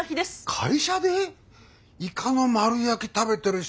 会社でイカの丸焼き食べてる人